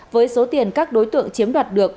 với số tiền các đối tượng chiếm đoạt được